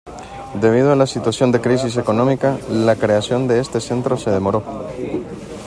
Debido a la situación de crisis económica, la creación de este centro se demoró.